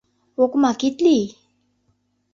Окмак ит лий!